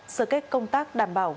sơ kết công tác đảm bảo